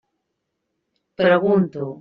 Pregunto.